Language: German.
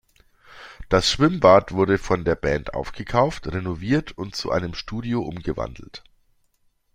Das Schwimmbad wurde von der Band aufgekauft, renoviert und zu einem Studio umgewandelt.